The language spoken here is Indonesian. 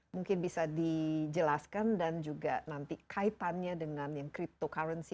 mungkin bisa dijelaskan dan juga nanti kaitannya dengan yang cryptocurrency